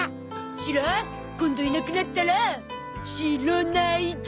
シロ今度いなくなったらシロないゾ！